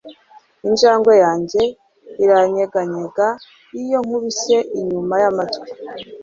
Injangwe yanjye iranyeganyega iyo nkubise inyuma yamatwi